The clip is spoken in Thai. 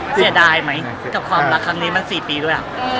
เศษดายไหมกับความรักคำนี้มา๔ปีด้วยหรอ